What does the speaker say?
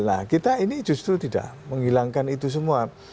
nah kita ini justru tidak menghilangkan itu semua